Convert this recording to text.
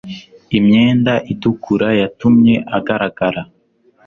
Imyenda itukura yatumye agaragara